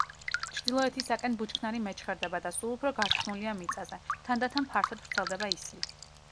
ჩრდილოეთისაკენ ბუჩქნარი მეჩხერდება და სულ უფრო გართხმულია მიწაზე, თანდათან ფართოდ ვრცელდება ისლი.